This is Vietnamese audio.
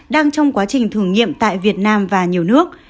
đang trong quá trình thử nghiệm tại việt nam và nhiều nước